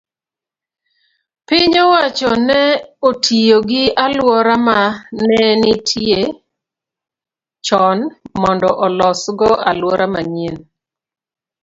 piny owacho ne otiyo gi alwora ma ne nitie chon mondo olosgo alwora manyien.